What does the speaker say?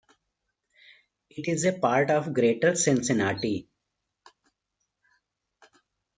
It is a part of Greater Cincinnati.